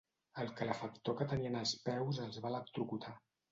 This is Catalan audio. El calefactor que tenien als peus els va electrocutar.